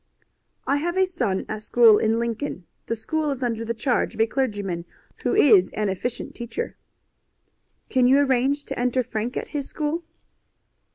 "I have a son at school in Lincoln. The school is under the charge of a clergyman, who is an efficient teacher." "Can you arrange to enter Frank at his school?"